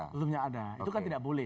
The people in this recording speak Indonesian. sebelumnya ada itu kan tidak boleh